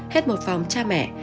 hết một phòng cha mẹ